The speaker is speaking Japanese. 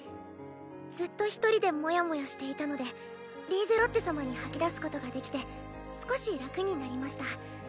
ずっと一人でモヤモヤしていたのでリーゼロッテ様に吐き出すことができて少し楽になりました。